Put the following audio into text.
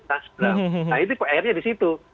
nah itu pr nya di situ